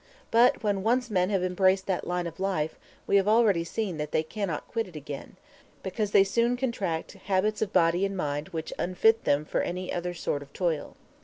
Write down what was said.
But, when once men have embraced that line of life, we have already seen that they cannot quit it again, because they soon contract habits of body and mind which unfit them for any other sort of toil.